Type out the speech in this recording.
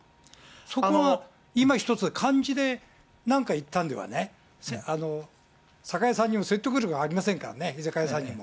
そこがいまひとつ、感じで、なんか言ったんではね、酒屋さんにも説得力がありませんからね、居酒屋さんにも。